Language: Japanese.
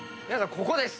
ここです。